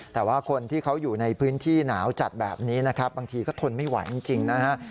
แต่ว่าคนที่เขาอยู่ในพื้นที่หนาวจัดแบบนี้นะครับบางทีก็ทนไม่ไหวจริงนะฮะ